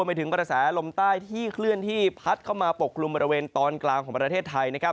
ไปถึงกระแสลมใต้ที่เคลื่อนที่พัดเข้ามาปกกลุ่มบริเวณตอนกลางของประเทศไทยนะครับ